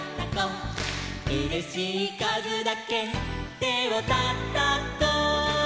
「うれしいかずだけてをたたこ」